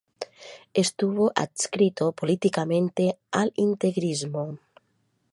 Estuvo adscrito políticamente al integrismo.